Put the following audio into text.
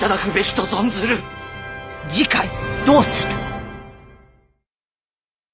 次回どうする。